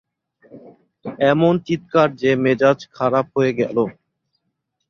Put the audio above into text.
এমন চিৎকার যে মেজাজ খারাপ হয়ে গেল!